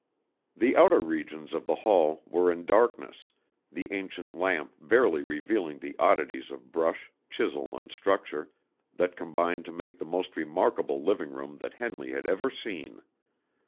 The outer regions of the hall were in darkness, the ancient lamp barely revealing the oddities of brush, chisel, and structure, that combined to make the most remarkable living room that Henley had ever seen.